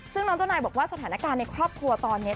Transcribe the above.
ซึ่งน้องเจ้านายบอกว่าสถานการณ์ในครอบครัวตอนนี้